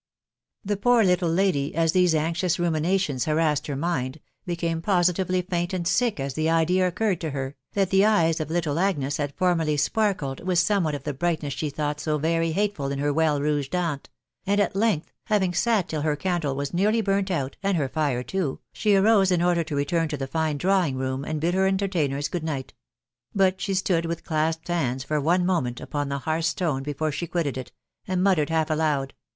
The poor little lady, as these anxious ruminations harassed her mind, became positively faint and sick as the idea occurred to her, that the eyes of little Agnes had formerly sparkled with somewhat of the brightness she thought so very hateful in her well rouged aunt ; and at length, having sat till her candle was nearly burnt out, and her fire too, she arose in order to return to the fine drawing room, and bid her entertainers good night; but she stood with clasped hands for one moment upon the hearth stone before she quitted it, and muttered half aloud